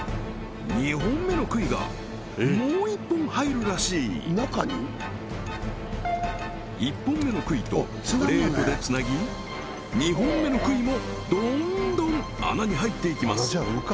２本目の杭がもう１本入るらしい１本目の杭とプレートでつなぎ２本目の杭もどんどん穴に入っていきます